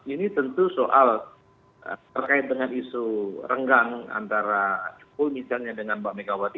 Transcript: ini tentu soal terkait dengan isu renggang antara jokowi misalnya dengan mbak megawati